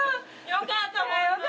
よかったね